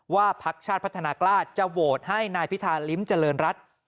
พักชาติพัฒนากล้าจะโหวตให้นายพิธาลิ้มเจริญรัฐ